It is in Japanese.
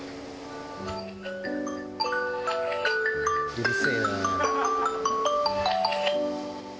「うるせえな」